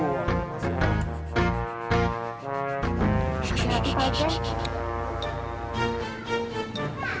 hati hati pak aceh